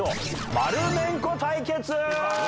丸めんこ対決。